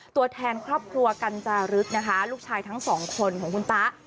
ตัวแทนครอบครัวกัญจารึกนะคะลูกชายทั้งสองคนของคุณตะ